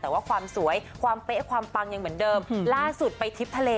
แต่ว่าความสวยความเป๊ะความปังยังเหมือนเดิมล่าสุดไปทริปทะเล